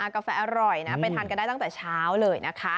กาแฟอร่อยนะไปทานกันได้ตั้งแต่เช้าเลยนะคะ